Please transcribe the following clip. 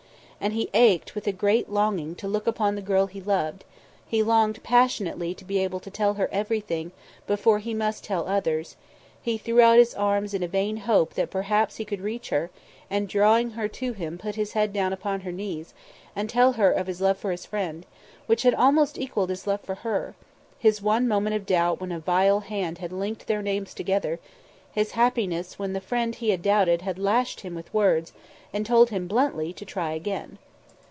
And he ached with a great longing to look upon the girl he loved; he longed passionately to be able to tell her everything before he must tell others; he threw out his arms in a vain hope that perhaps he could reach her, and drawing her to him put his head down upon her knees and tell her of his love for his friend, which had almost equalled his love for her; his one moment of doubt when a vile hand had linked their names together; his happiness when the friend he had doubted had lashed him with words, and told him bluntly to try again.